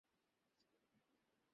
কাকে কল করেছিলি?